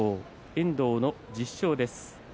遠藤の１０勝です。